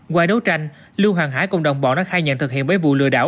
qua đấu tranh lưu hoàng hải cùng đồng bọn đã khai nhận thực hiện bảy vụ lừa đảo